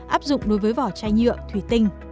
áp dụng đối với vỏ chai nhựa thủy tinh